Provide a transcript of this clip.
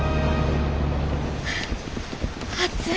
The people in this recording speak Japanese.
暑い。